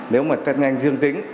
nếu mà tết nhanh dương tính